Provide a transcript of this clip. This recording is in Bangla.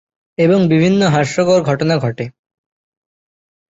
এবং বিভিন্ন হাস্যকর ঘটনা ঘটে।